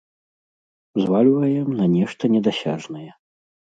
Звальваем на нешта недасяжнае.